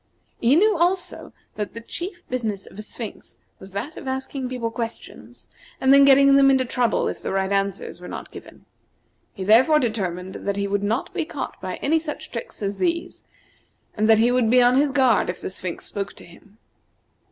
He knew, also, that the chief business of a Sphinx was that of asking people questions, and then getting them into trouble if the right answers were not given. He therefore determined that he would not be caught by any such tricks as these, and that he would be on his guard if the Sphinx spoke to him.